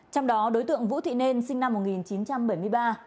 trong đó đối tượng vũ thị nên sinh năm một nghìn chín trăm bảy mươi ba